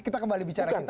kita kembali bicara